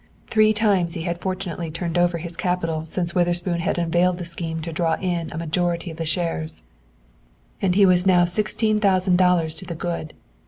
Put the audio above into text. Three times he had fortunately turned over his capital since Witherspoon had unveiled the scheme to draw in a majority of the shares, and he was now sixteen thousand dollars to the good.